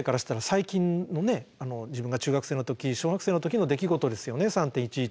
自分が中学生の時小学生の時の出来事ですよね３．１１。